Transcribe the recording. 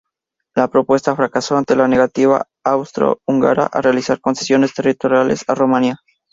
La propuesta fracasó ante la negativa austrohúngara a realizar concesiones territoriales a Rumania.